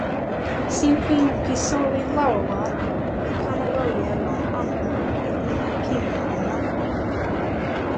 sinpin pi soweli Lawawa li kama loje lon anpa pi linja pimeja ona.